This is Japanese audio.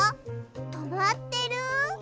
とまってる？